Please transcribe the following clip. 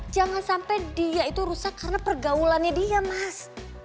jangan sampai dia itu rusak karena pergaulannya dia mas